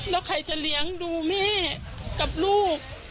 แล้วใครจะเลี้ยงดูแม่กับลูก